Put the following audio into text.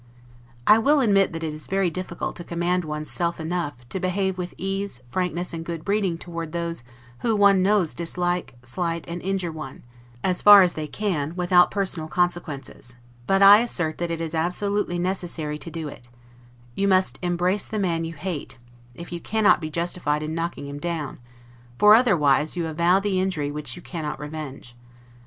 I will admit that it is very difficult to command one's self enough, to behave with ease, frankness, and good breeding toward those, who one knows dislike, slight, and injure one, as far as they can, without personal consequences; but I assert that it is absolutely necessary to do it: you must embrace the man you hate, if you cannot be justified in knocking him down; for otherwise you avow the injury which you cannot revenge.